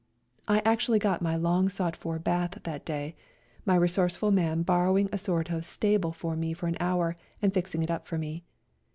I actually got my long sought for bath that day, my resourceful man borrowing a sort of stable for me for an hour and fixing it up for me.